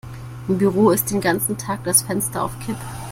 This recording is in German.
Im Büro ist den ganzen Tag das Fenster auf Kipp.